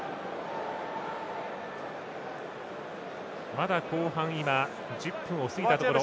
まだ後半、今１０分を過ぎたところ。